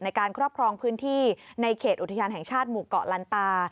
ในการครอบครองพื้นที่ในเขตอุทยานแห่งชาติหมู่เกาะลันตา